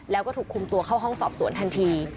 แล้วก็ถูกคุมตัวเข้าห้องสอบสวนทันที